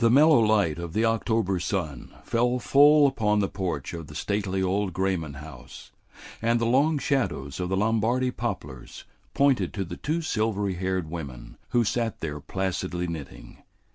The mellow light of the October sun fell full upon the porch of the stately old Grayman house, and the long shadows of the Lombardy poplars pointed to the two silvery haired women who sat there placidly knitting.